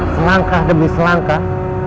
selangkah demi selangkah